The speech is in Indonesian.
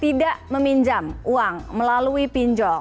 tidak meminjam uang melalui pinjol